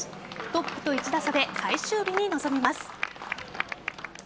トップと１打差で最終日に臨みます。